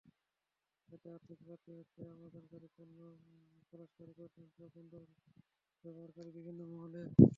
এতে আর্থিক ক্ষতি হচ্ছে আমদানিকারক, পণ্য খালাসকারী প্রতিষ্ঠানসহ বন্দর ব্যবহারকারী বিভিন্ন মহলের।